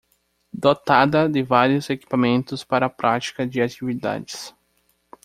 Dotada de vários equipamentos para a prática de atividades.